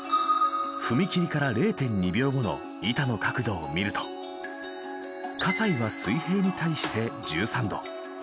踏み切りから０．２秒後の板の角度を見ると西は水平に対して１３度。